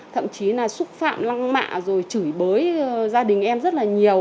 thậm chí là xúc phạm lăng mạ rồi chửi bới gia đình em rất là nhiều